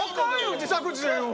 自作自演は！